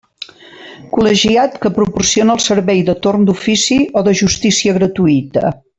Col·legiat que proporciona el servei de torn d'ofici o de justícia gratuïta.